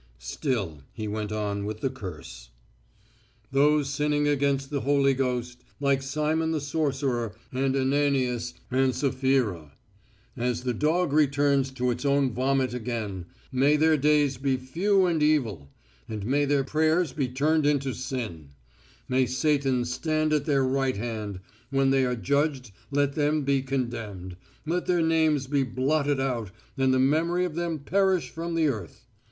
Still he went on with the curse: "Those sinning against the Holy Ghost, like Simon the sorcerer and Ananias and Sapphira. As the dog returns to its own vomit again, may their days be few and evil, and may their prayers be turned into sin; may Satan stand at their right hand; when they are judged let them be condemned, let their names be blotted out and the memory of them perish from the earth